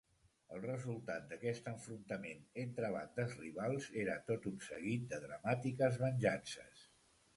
El resultat d'aquest enfrontament entre bandes rivals era tot un seguit de dramàtiques venjances.